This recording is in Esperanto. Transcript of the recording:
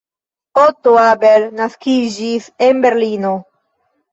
Otto Abel naskiĝis en Berlino.